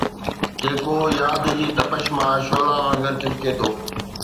جيڪو ياد جي تپش مان شعلا وانگر چمڪي ٿو